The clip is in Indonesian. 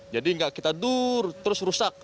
jadi nggak kita dur terus rusak